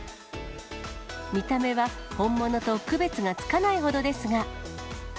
見た目は本物と区別がつかないほどですが。